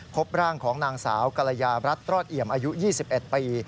พบร่างของนางสาวกรยารัฐรอดเอี่ยมอายุ๒๑ปี